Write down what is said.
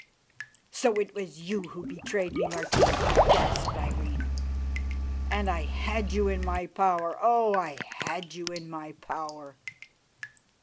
"So it was you who betrayed me, Martina," gasped Irene; "and I had you in my power. Oh! I had you in my power!"